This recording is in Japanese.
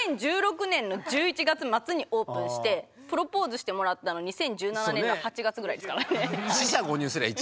２０１６年の１１月末にオープンしてプロポーズしてもらったの２０１７年の８月ぐらいですからね。